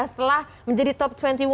setelah menjadi top dua puluh satu di ajur